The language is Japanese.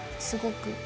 すごく。